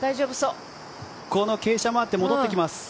この傾斜もあって戻ってきます。